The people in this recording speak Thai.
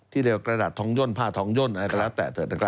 เรียกว่ากระดาษทองย่นผ้าทองย่นอะไรก็แล้วแต่เถอะ